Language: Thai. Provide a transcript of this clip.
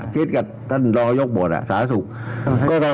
คิดกับท่านรองขยกบวนสรสร้างสรรสุก